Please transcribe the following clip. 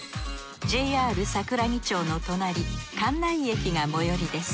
ＪＲ桜木町の隣関内駅が最寄りです。